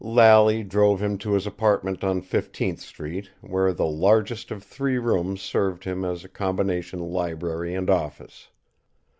Lally drove him to his apartment on Fifteenth street, where the largest of three rooms served him as a combination library and office.